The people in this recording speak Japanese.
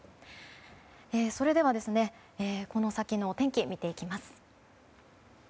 それではこの先のお天気見ていきます。